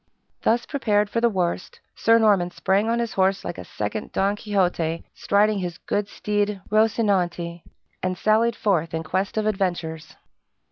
Thus prepared for the worst, Sir Norman sprang on his horse like a second Don Quixote striding his good steed Rozinante, and sallied forth in quest of adventures.